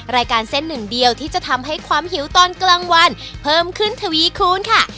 รายการเส้นหนึ่งเดียวที่จะทำให้ความหิวตอนกลางวันเพิ่มขึ้นทวีคูณค่ะ